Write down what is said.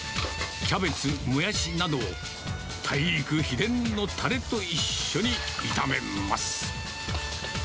キャベツ、モヤシなどを太陸秘伝のたれと一緒に炒めます。